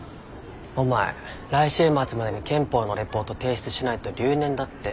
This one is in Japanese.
お前来週末までに憲法のレポート提出しないと留年だって。